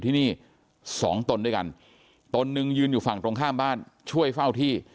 ที่นี่สองตนด้วยกันตนหนึ่งยืนอยู่ฝั่งตรงข้ามบ้านช่วยเฝ้าที่